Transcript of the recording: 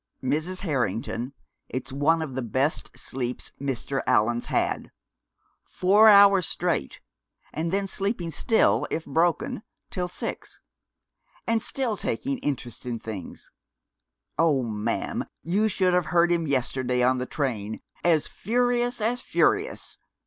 "Mrs. Harrington, it's one of the best sleeps Mr. Allan's had! Four hours straight, and then sleeping still, if broken, till six! And still taking interest in things. Oh, ma'am, you should have heard him yesterday on the train, as furious as furious!